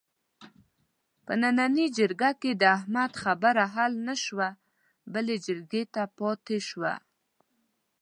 په نننۍ جرګه کې د احمد خبره حل نشوه، بلې جرګې ته پاتې شوله.